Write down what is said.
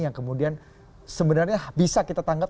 yang kemudian sebenarnya bisa kita tanggap